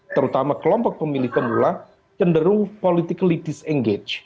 terutama kelompok pemilih pemula cenderung politically disengage